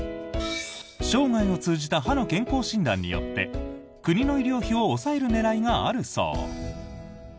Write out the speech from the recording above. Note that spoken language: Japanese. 生涯を通じた歯の健康診断によって国の医療費を抑える狙いがあるそう。